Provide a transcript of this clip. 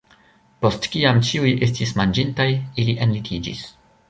Post kiam ĉiuj estis manĝintaj, ili enlitiĝis.